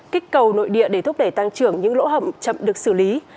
kích cầu nội địa để thúc đẩy tăng trưởng những lỗ hầm chậm được xử lý